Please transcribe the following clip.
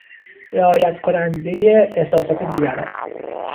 رعایت کنندهی احساسات دیگران